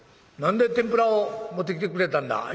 何で天ぷらを持ってきてくれたんだ？」。